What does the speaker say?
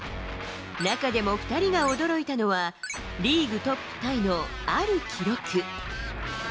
中でも２人が驚いたのは、リーグトップタイのある記録。